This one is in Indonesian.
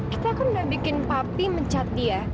kita kan udah bikin papi mencat dia